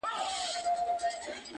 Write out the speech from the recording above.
پورته گورم پړانگ دئ، کښته گورم پاڼ دئ.